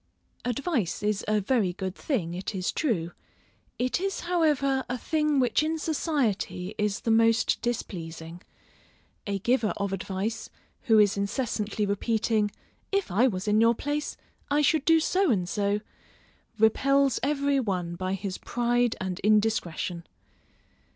_ Advice is a very good thing, it is true; it is however a thing which in society is the most displeasing. A giver of advice, who is incessantly repeating, If I was in your place, I should do so and so, repels every one by his pride and indiscretion.